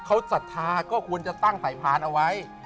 เขาศรัทธาก็ควรจะตั้งสายพานเอาไว้